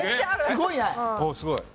すごいね！